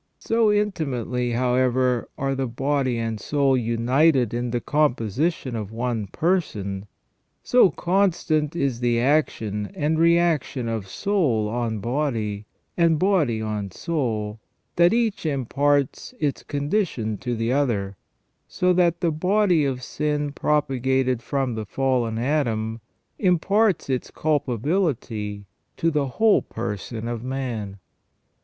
So intimately, however, are the body and soul united in the composition of one person ; so constant is the action and reaction of soul on body, and body on soul, that each imparts its condition to the other ; so that the body of sin propagated from the fallen Adam imparts its culpability to the whole person of man.